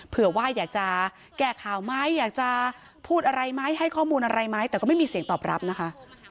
เผื่อว่าอยากจะแก้ข่าวไหมอยากจะพูดอะไรไหมให้ข้อมูลอะไรไหมแต่ก็ไม่มีเสียงตอบรับนะคะ